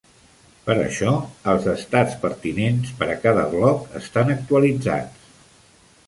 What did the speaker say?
Per això, els "estats pertinents" per a cada bloc estan actualitzats.